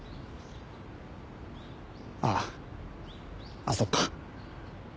あああっそっか。